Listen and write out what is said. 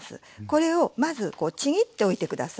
これをまずこうちぎっておいて下さい。